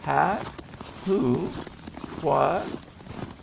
"Hat? Who? What?